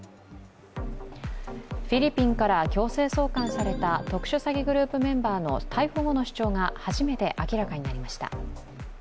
フィリピンから強制送還された特殊詐欺グループメンバーの逮捕後の主張が初めて明らかになりました。